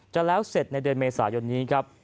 จะแล้วเสร็จในเดือนเมษายนนี้ครับ